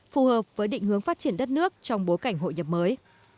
phù hợp với định hướng phát triển đất nước trong bối cảnh hội nhập mới